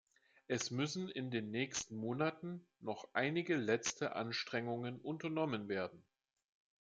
Es müssen in den nächsten Monaten noch einige letzte Anstrengungen unternommen werden.